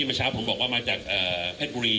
คุณผู้ชมไปฟังผู้ว่ารัฐกาลจังหวัดเชียงรายแถลงตอนนี้ค่ะ